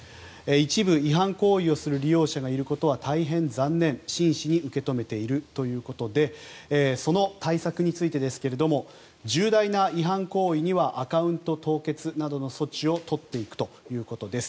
一部、違反行為をする利用者がいることは大変残念真摯に受け止めているということでその対策についてですが重大な違反行為にはアカウント凍結などの措置を取っていくということです。